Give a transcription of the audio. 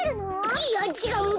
いやちがうんだ！